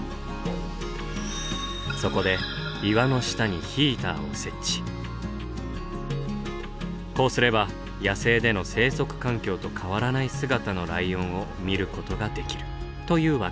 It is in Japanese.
そこで岩の下にこうすれば野生での生息環境と変わらない姿のライオンを見ることができるというわけなんです。